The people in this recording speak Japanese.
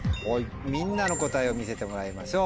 みんなの答えを見せてもらいましょう。